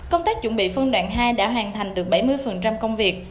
công tác chuẩn bị phân đoàn hai đã hoàn thành được bảy mươi công việc